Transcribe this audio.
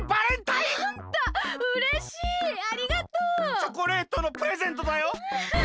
チョコレートのプレゼントだよ！